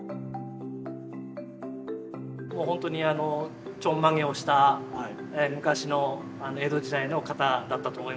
もう本当にちょんまげをした昔の江戸時代の方だったと思いますよ。